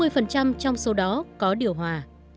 sáu mươi phần trăm trong số đó có điều hòa